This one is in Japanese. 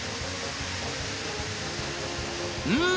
うん？